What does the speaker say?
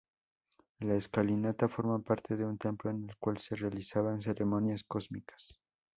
La escalinata forma parte de un templo en el cual se realizaban ceremonias cósmicas.